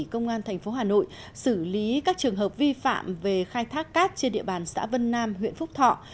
công an tp hà nội xử lý các trường hợp vi phạm về khai thác cát trên địa bàn xã vân nam huyện phúc thọ